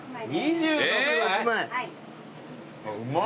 ２６枚？